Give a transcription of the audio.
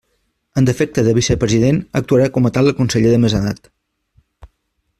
En defecte de vicepresident actuarà com a tal el conseller de més edat.